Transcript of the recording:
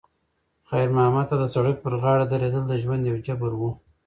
خیر محمد ته د سړک پر غاړه درېدل د ژوند یو جبر و.